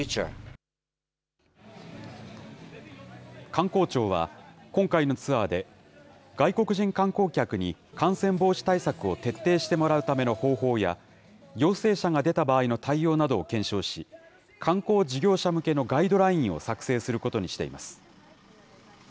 観光庁は、今回のツアーで、外国人観光客に感染防止対策を徹底してもらうための方法や陽性者が出た場合の対応などを検証し、観光事業者向けのガイドラインを作成することにしています。